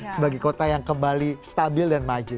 sebagai kota yang kembali stabil dan maju